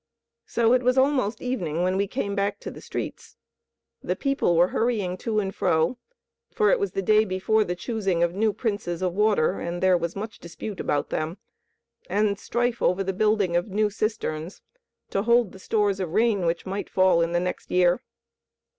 So it was almost evening when we came back to the streets. The people were hurrying to and fro, for it was the day before the choosing of new Princes of Water; and there was much dispute about them, and strife over the building of new cisterns to hold the stores of rain which might fall in the next year.